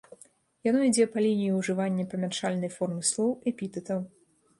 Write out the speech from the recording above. Яно ідзе па лініі ўжывання памяншальнай формы слоў, эпітэтаў.